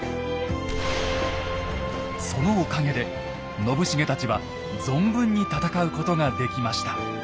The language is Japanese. そのおかげで信繁たちは存分に戦うことができました。